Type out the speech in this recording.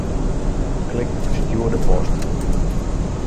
Klik Ferstjoerde post.